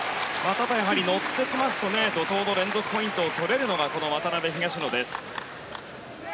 ただ、乗ってきますと怒涛の連続ポイントを取れるのがこの渡辺、東野です。